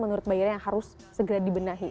menurut mbak ira yang harus segera dibenahi